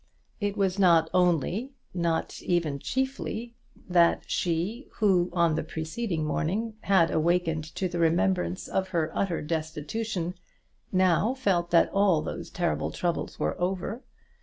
It was not only, nor even chiefly, that she who, on the preceding morning, had awakened to the remembrance of her utter destitution, now felt that all those terrible troubles were over.